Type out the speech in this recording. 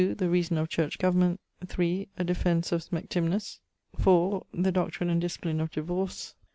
The reason of Church Goverment. 3. A defence of Smectymnuus. 4. The Doctrin and Disciplin of Divorce.